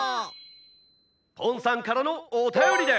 「ポンさんからのおたよりです」。